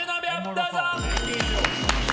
どうぞ！